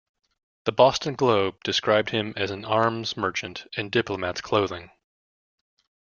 The "Boston Globe" described him as "an arms merchant in diplomat's clothing.